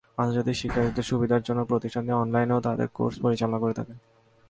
আন্তর্জাতিক শিক্ষার্থীদের সুবিধার জন্য প্রতিষ্ঠানটি অনলাইনেও তাদের কোর্স পরিচালনা করে থাকে।